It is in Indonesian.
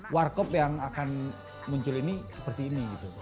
warcop yang akan muncul ini seperti ini gitu